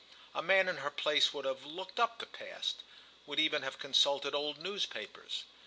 A man in her place would have "looked up" the past—would even have consulted old newspapers.